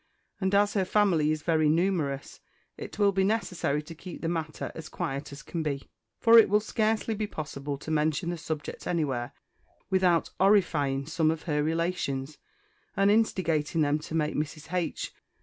And, as her family is very numerous, it will be necessary to keep the matter as quiet as can be, for it will scarcely be possible to mention the subject anywhere, without "'orrifying" some of her relations, and instigating them to make Mrs. H.